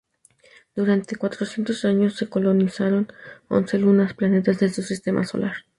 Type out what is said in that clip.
Durante cuatrocientos años se colonizaron once lunas y planetas de su sistema solar.